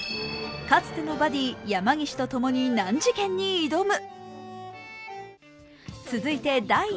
かつてのバディ・山岸とともに難事件に挑む。